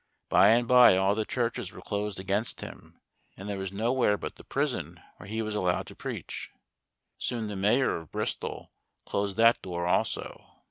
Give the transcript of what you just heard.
By and by all the churches were closed against him, and there was nowhere but the prison where he was allowed to preach. Soon the mayor of Bristol closed that door also.